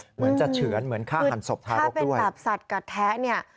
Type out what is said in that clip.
เหมือนจะเฉือนเหมือนฆ่าหันศพทารกด้วยกับสัตว์กระแทะเนี่ย